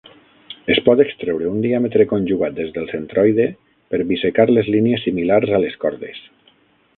Es pot extreure un diàmetre conjugat des del centroide per bisecar les línies similars a les cordes.